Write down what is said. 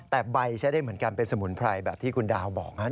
แต่ใบใช้ได้เหมือนกันเป็นสมุนไพรแบบที่คุณดาวบอกนะครับ